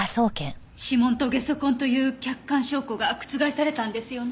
指紋とゲソ痕という客観証拠が覆されたんですよね。